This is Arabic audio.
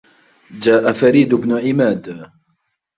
جاء فريد بن عماد.